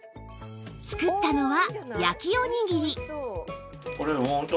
作ったのは焼きおにぎり